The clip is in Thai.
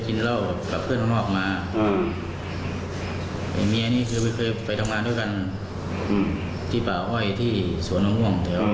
ตัวเล็กแบบนี้อยากจะได้ใหว่